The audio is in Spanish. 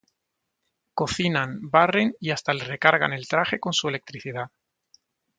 Cocinan, barren y hasta le recargan el traje con su electricidad.